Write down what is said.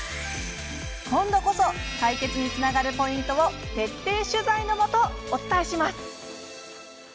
今度こそ解決につながるポイントを徹底取材のもとお伝えします！